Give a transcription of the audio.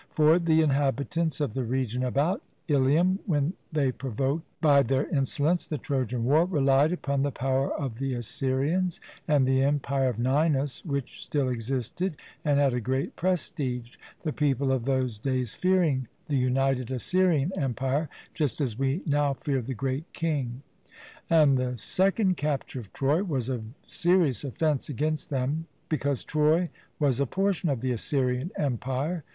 For the inhabitants of the region about Ilium, when they provoked by their insolence the Trojan war, relied upon the power of the Assyrians and the Empire of Ninus, which still existed and had a great prestige; the people of those days fearing the united Assyrian Empire just as we now fear the Great King. And the second capture of Troy was a serious offence against them, because Troy was a portion of the Assyrian Empire.